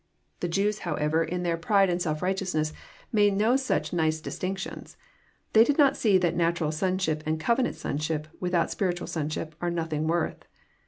The Jews, however, in their prido 116 EXPOSirOBY THOaaHTS. and self righteonsnes9, mad« no snch nice distinction. Tbey did not 866 that national sonsliip and covenant sonship with out spiritual sonship, are nothing worth.